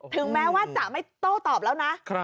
ถึงแม้ว่าจะไม่โต้ตอบแล้วนะ